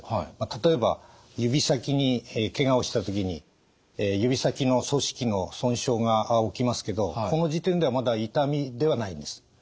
例えば指先にけがをした時に指先の組織の損傷が起きますけどこの時点ではまだ痛みではないんです。